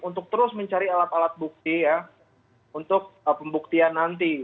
untuk terus mencari alat alat bukti ya untuk pembuktian nanti